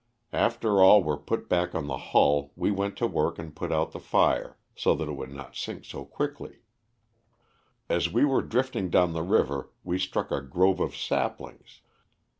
After all were back on the hull we went to work and put out the fire, so that it would not sink so quickly. As we were drifting down the river we struck a grove of saplings.